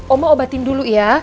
oma obatin dulu ya